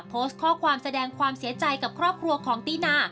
โพสต์ข้อความแสดงความเสียใจกับครอบครัวของตินา